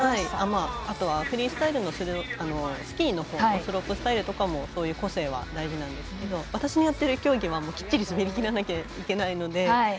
あとはフリースタイルのスキーのスロープスタイルとかもそういう個性は大事なんですけど私のやっている競技はきっちり滑りきらなきゃいけないので。